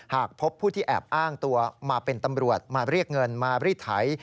หากพบผู้ที่แอบอ้างตัวมาเป็นตำรวจมาเรียกเงินมารีดไถ